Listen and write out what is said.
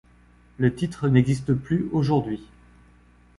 Le titre n'existe plus aujourd'hui.